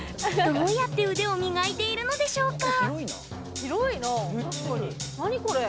どうやって腕を磨いているのでしょうか。